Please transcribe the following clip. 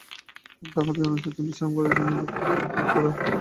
তবে টাকাটা জনস্বার্থে অর্থাৎ বিশ্রামাগারের জমি কেনার জন্য ব্যয় করা হয়েছে।